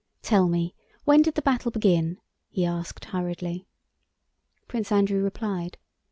"Tell me, when did the battle begin?" he asked hurriedly. Prince Andrew replied.